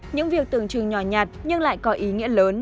những việc từng trừng nhỏ nhặt nhưng lại có ý nghĩa lớn